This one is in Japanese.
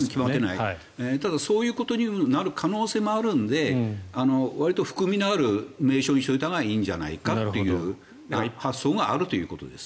ただ、そういうことになる可能性もあるのでわりと含みのある名称にしておいたほうがいいんじゃないかという発想があるということです。